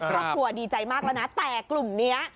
ครอบครัวดีใจมากแล้วนะแต่กลุ่มนี้